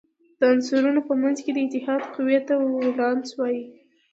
د عنصرونو په منځ کې د اتحاد قوې ته ولانس وايي.